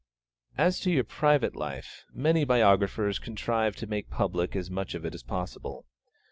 As to your private life, many biographers contrive to make public as much of it as possible.